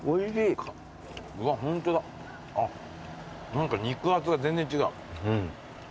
何か肉厚が全然違う。